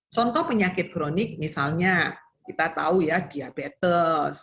contoh penyakit kronik misalnya kita tahu ya diabetes